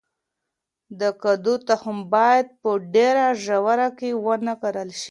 د کدو تخم باید په ډیره ژوره کې ونه کرل شي.